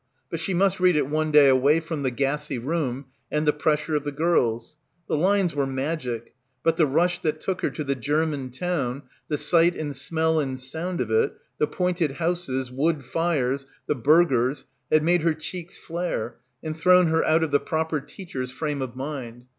But she must read it one day away from the gassy room and the pressure of the girls. The lines were magic; but the rush that took her to the German town, the sight and smell and sound of it, die pointed houses, wood fires, the burgers, had made her cheeks flare and thrown her out of the proper teacher's frame of mind.